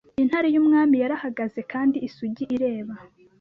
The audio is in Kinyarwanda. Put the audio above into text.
Intare yumwami yarahagaze Kandi isugi ireba